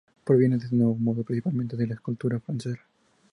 Proviene este nuevo modelo principalmente de la escultura francesa.